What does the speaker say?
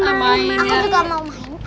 aku juga mau main